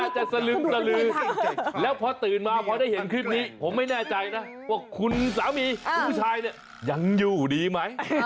จะสลึมสลือแล้วพอตื่นมาพอได้เห็นคลิปนี้ผมไม่แน่ใจนะว่าคุณสามีคุณผู้ชายเนี่ยยังอยู่ดีไหม